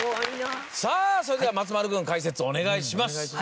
さぁそれでは松丸君解説をお願いします。